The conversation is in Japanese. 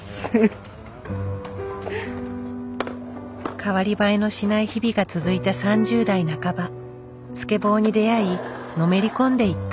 代わり映えのしない日々が続いた３０代半ばスケボーに出会いのめり込んでいった。